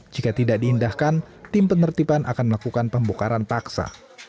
jika tidak diindahkan tim penertipan akan melakukan pembukaran paksa